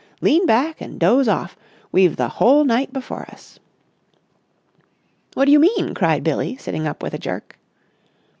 Lean back and doze off. We've the whole night before us." "What do you mean?" cried Billie, sitting up with a jerk.